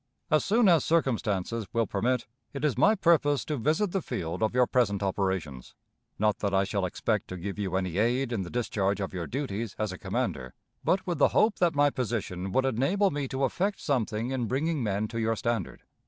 As soon as circumstances will permit, it is my purpose to visit the field of your present operations; not that I shall expect to give you any aid in the discharge of your duties as a commander, but with the hope that my position would enable me to effect something in bringing men to your standard.